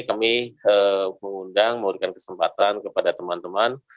kami mengundang memberikan kesempatan kepada teman teman